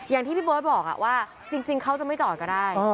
อย่างที่พี่เบิร์ตบอกว่าจริงเขาจะไม่จอดก็ได้